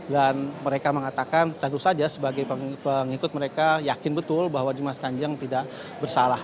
dan mereka mengatakan tentu saja sebagai pengikut mereka yakin betul bahwa dimas kanjeng tidak bersalah